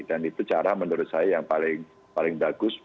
dan itu cara menurut saya yang paling bagus